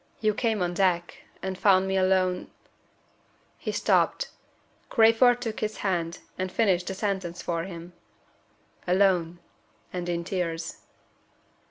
You came on deck, and found me alone " He stopped. Crayford took his hand, and finished the sentence for him. "Alone and in tears."